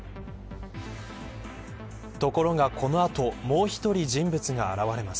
ところが、この後、もう１人人物が現れます。